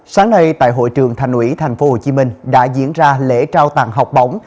sáng nay tại hội trường thành ủy tp hcm đã diễn ra lễ trao tặng học bổng